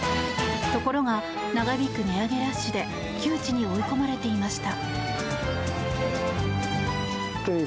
ところが長引く値上げラッシュで窮地に追い込まれていました。